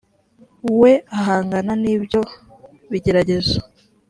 we ahangana n’ibyo bigeragezo